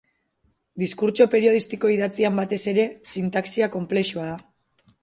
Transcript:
Diskurtso periodistiko idatzian, batez ere, sintaxia konplexua da.